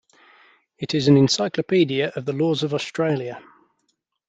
It is an encyclopaedia of the laws of Australia.